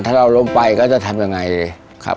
ถ้าเราล้มไปก็จะทำยังไงครับ